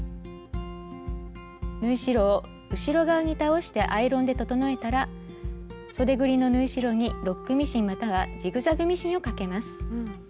縫い代を後ろ側に倒してアイロンで整えたらそでぐりの縫い代にロックミシンまたはジグザグミシンをかけます。